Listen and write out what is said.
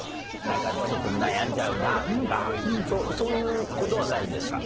なんかちょっと悩んじゃうなとかそういう事はないんですか？